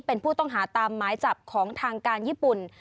เป็นผู้ต้องหาตามหมายจับของทางการญี่ปุ่น